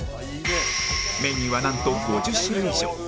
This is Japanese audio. メニューはなんと５０種類以上